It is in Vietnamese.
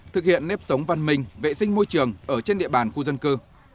thực hiện nếp sống văn minh vệ sinh môi trường ở trên địa bàn khu dân cư